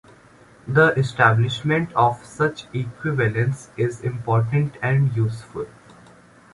The establishment of such equivalence is important and useful.